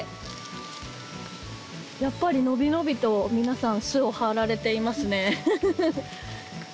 やっぱり伸び伸びと皆さん巣を張られていますね。